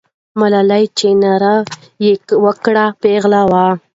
ملالۍ چې ناره یې وکړه، پیغله وه.